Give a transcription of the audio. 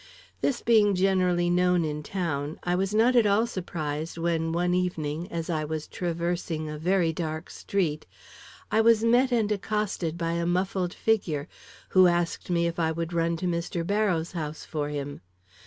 This being generally known in town, I was not at all surprised when one evening, as I was traversing a very dark street, I was met and accosted by a muffled figure, who asked me if I would run to Mr. Barrows' house for him.